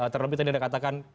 terlebih tadi anda katakan